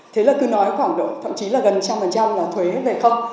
thế là cứ nói khoảng độ thậm chí là gần một trăm linh là thuế về không